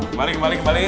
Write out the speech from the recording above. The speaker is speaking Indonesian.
kembali kembali kembali